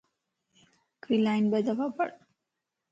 ھڪڙي لائن ٻه دفع پڙھ